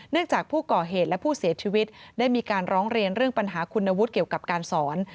จากผู้ก่อเหตุและผู้เสียชีวิตได้มีการร้องเรียนเรื่องปัญหาคุณวุฒิเกี่ยวกับการสอน